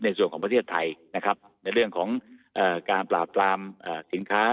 ในส่วนของประเทศไทยนะครับในเรื่องของการปราบปรามสินค้า